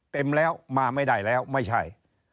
เต็มแล้วมาไม่ได้แล้วไม่ใช่